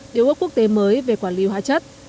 điều ước quốc tế mới về quản lý hóa chất